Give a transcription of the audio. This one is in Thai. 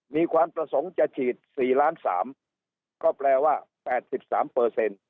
มีความประสงค์จะฉีดสี่ล้านสามก็แปลว่าแปดสิบสามเปอร์เซ็นต์